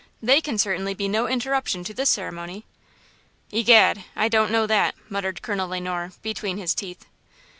They can certainly be no interruption to this ceremony." "Egad, I don't know that!" muttered Colonel Le Noir between his teeth.